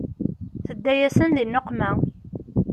Tedda-yasen di nneqma.